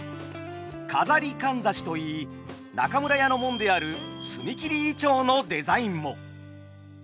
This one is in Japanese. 錺かんざしと言い中村屋の紋である角切銀杏のデザインも。